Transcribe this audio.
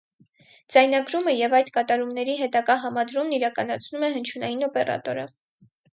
Ձայնագրումը և այդ կատարումների հետագա համադրումն իրականացնում է հնչյունային օպերատորը։